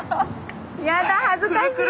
やだ恥ずかしい。